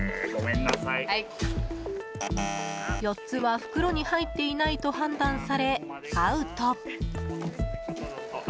４つは袋に入っていないと判断され、アウト。